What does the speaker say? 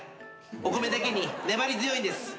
お米だけに粘り強いんです。